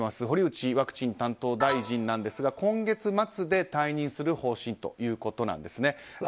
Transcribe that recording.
堀内ワクチン担当大臣ですが今月末で退任する方針ということなんですね。